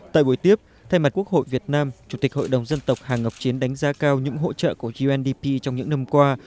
tại buổi tiếp thay mặt quốc hội việt nam chủ tịch hội đồng dân tộc hà ngọc chiến đánh giá cao những hỗ trợ của undp trong những năm qua